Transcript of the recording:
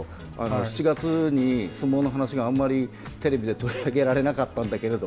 ７月に相撲の話があんまりテレビで取り上げられなかったんだけれど